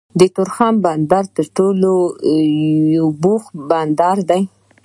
د تورخم بندر تر ټولو بوخت بندر دی